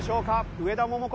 上田桃子